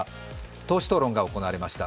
党首討論が行われました。